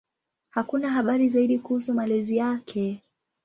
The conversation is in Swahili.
Hakuna habari zaidi kuhusu malezi yake.